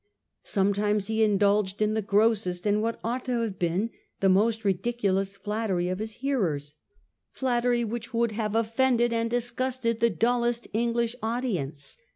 Some times he indulged in the grossest and what ought to have been the most ridiculous flattery of his hearers — flattery which would have offended and disgusted the dullest English audience.